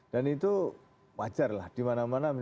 dan itu wajar lah di mana mana